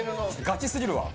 ガチすぎるわ。